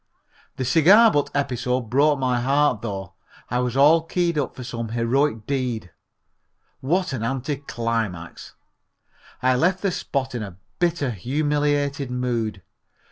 The cigar butt episode broke my heart though. I was all keyed up for some heroic deed what an anti climax! I left the spot in a bitter, humiliated mood.